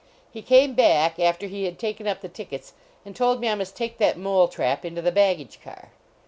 He came back, after he had taken up the tickets, and told me I must take that mole trap into the baggage car.